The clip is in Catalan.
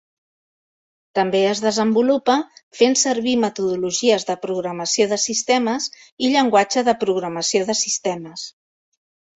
També es desenvolupa fent servir metodologies de programació de sistemes i llenguatge de programació de sistemes.